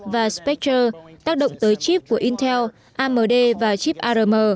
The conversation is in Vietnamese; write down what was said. và spactor tác động tới chip của intel amd và chip arm